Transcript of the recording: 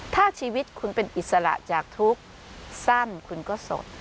ถ้าชีวิตคุณเป็นอิสระจากทุกข์สั้นคุณก็สด